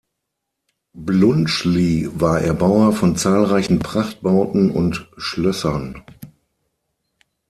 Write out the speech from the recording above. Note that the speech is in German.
Bluntschli war Erbauer von zahlreichen Prachtbauten und Schlössern.